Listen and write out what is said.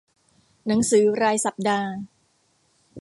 หนังสือรายสัปดาห์